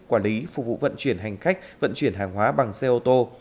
quản lý phục vụ vận chuyển hành khách vận chuyển hàng hóa bằng xe ô tô